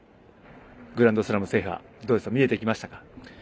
グランドスラム制覇見えてきましたか。